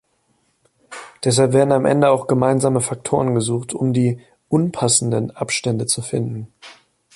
Deshalb werden am Ende auch gemeinsame Faktoren gesucht, um die „unpassenden“ Abstände zu finden.